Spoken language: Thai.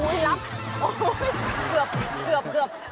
โอ้โฮเกือบเกือบเกือบ